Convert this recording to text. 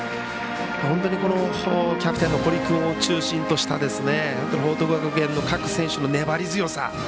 本当にキャプテンの堀君を中心とした報徳学園の各選手の粘り強さ。